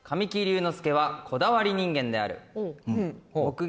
神木隆之介はこだわり人間である。